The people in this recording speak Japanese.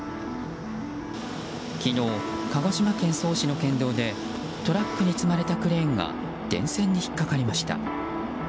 昨日、鹿児島県曽於市の県道でトラックに積まれたクレーンが電線に引っかかりました。